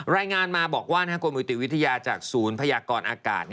รายงานมาบอกว่ากรมอุติวิทยาจากศูนย์พยากรอากาศ